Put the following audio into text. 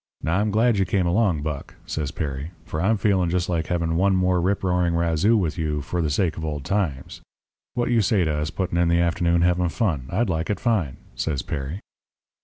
Now, I'm glad you came along, Buck,' says Perry, 'for I'm feeling just like having one more rip roaring razoo with you for the sake of old times. What you say to us putting in the afternoon having fun I'd like it fine,' says Perry.